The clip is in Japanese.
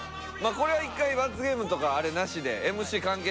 これは１回罰ゲームとかなしで。